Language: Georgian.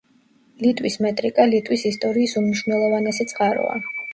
ლიტვის მეტრიკა ლიტვის ისტორიის უმნიშვნელოვანესი წყაროა.